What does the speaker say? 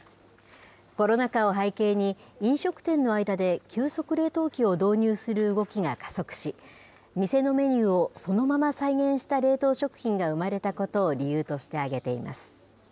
コロナ禍を背景に、飲食店の間で急速冷凍機を導入する動きが加速し、店のメニューをそのまま再現した冷凍食品が生まれたことを理由として挙げています。